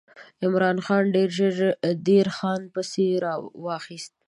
عمرا خان ډېر ژر د دیر خان پسې واخیست.